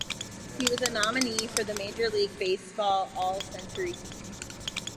He was a nominee for the Major League Baseball All-Century Team.